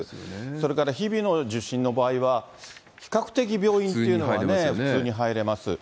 それから日々の受診の場合は比較的病院っていうのは、普通に入れます。